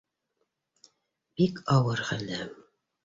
Бик ауыр хәлдә